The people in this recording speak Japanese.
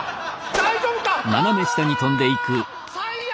大丈夫か？